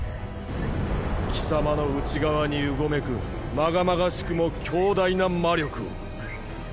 貴様の内側にうごめく禍々しくも強大な魔力を。